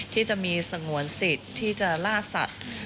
ที่จะมีสงวนสิทธิ์ที่จะล่าสัตว์